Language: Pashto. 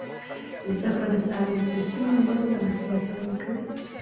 زده کړه د سالم تصمیم نیولو وړتیا پیاوړې کوي.